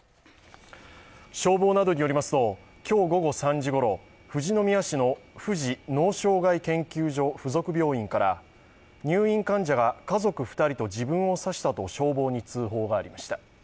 消防などによりますと、今日午後３時ごろ富士宮市の富士脳障害研究所附属病院から入院患者が家族２人と自分を刺したと消防に通報がありました。